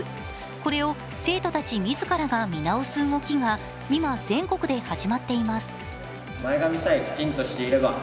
これを生徒たち自らが見直す動きが今、全国で始まっています。